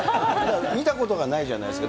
見たことがないじゃないですか。